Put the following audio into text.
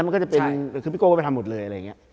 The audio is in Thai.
คือพิโก้ก็ไปทำหมดเลย